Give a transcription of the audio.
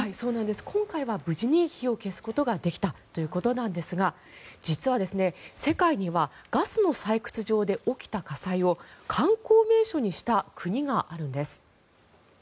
今回は無事に火を消すことができたということなんですが実は世界にはガスの採掘場で起きた火災を観光名所にした国があるんです。